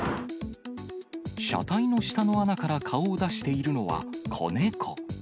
車体の下の穴から顔を出しているのは子猫。